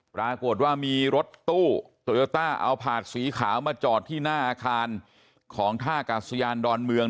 ปรากฏว่ามีรถตู้โตโยต้าเอาผาดสีขาวมาจอดที่หน้าอาคารของท่ากาศยานดอนเมือง